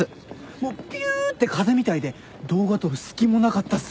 もうピュって風みたいで動画撮る隙もなかったっす。